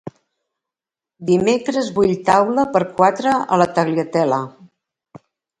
Dimecres vull taula per quatre a la Tagliatella.